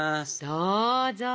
どうぞ！